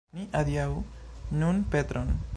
Ni adiaŭu nun Petron.